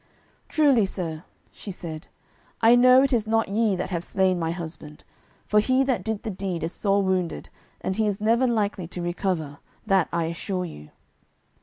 "Truly sir," she said, "I know it is not ye that have slain my husband, for he that did that deed is sore wounded, and he is never likely to recover; that I assure you."